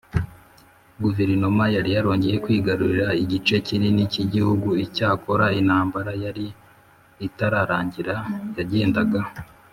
guverinoma yari yarongeye kwigarurira igice kinini cy igihugu Icyakora intambara yari itararangira Yagendaga